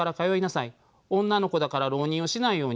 女の子だから浪人をしないように。